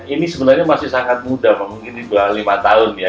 ini sebenarnya masih sangat muda mungkin di bawah lima tahun ya